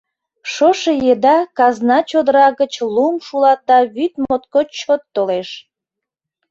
Шошо еда казна чодыра гыч лум шулата вӱд моткоч чот толеш.